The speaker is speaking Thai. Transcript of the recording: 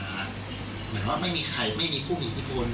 เหมือนว่าไม่มีใครไม่มีผู้มีอิทธิพล